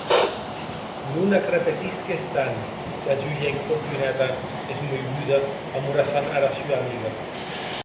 Non ac repetisques tant, gasulhèc Fortunata, esmoiguda, amorassant ara sua amiga.